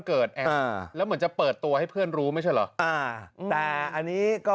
อ่าแล้วเหมือนจะเปิดตัวให้เพื่อนรู้ไม่ใช่เหรออ่าแต่อันนี้ก็